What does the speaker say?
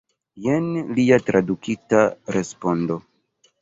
Jen lia tradukita respondo.